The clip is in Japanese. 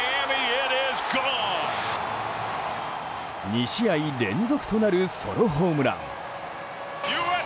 ２試合連続となるソロホームラン。